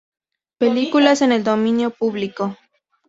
Películas en el dominio público